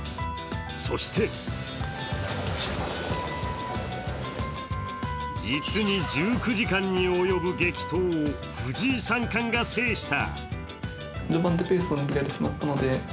そして実に１９時間に及ぶ激闘を藤井三冠が制した。